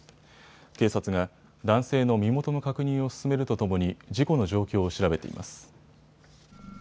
警察が男性の身元の確認を進めるとともに事故の状況を調べています。